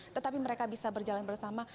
tetapi mereka bisa berjalan bersama